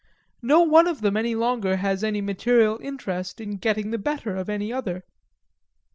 No one of them any longer has any material interest in getting the better of any other.